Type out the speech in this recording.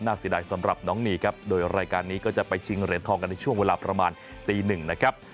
เสียดายสำหรับน้องนีครับโดยรายการนี้ก็จะไปชิงเหรียญทองกันในช่วงเวลาประมาณตีหนึ่งนะครับ